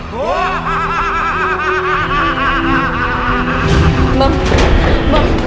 kekayaan kamu hanya sebatas ini